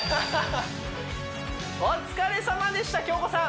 お疲れさまでした京子さん